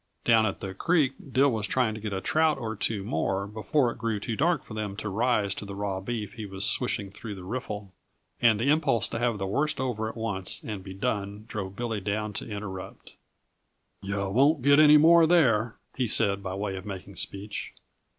Down at the creek Dill was trying to get a trout or two more before it grew too dark for them to rise to the raw beef he was swishing through the riffle, and an impulse to have the worst over at once and be done drove Billy down to interrupt. "Yuh won't get any more there," he said, by way of making speech.